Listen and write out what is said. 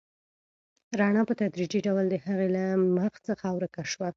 رڼا په تدریجي ډول د هغې له مخ څخه ورکه شوه.